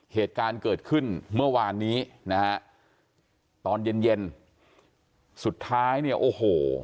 เหตุการณ์เกิดขึ้นเมื่อวานนี้นะฮะตอนเย็นเย็นสุดท้ายเนี่ยโอ้โห